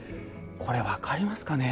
これ分かりますかね？